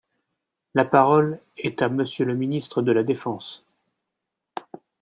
La parole est à Monsieur le ministre de la défense.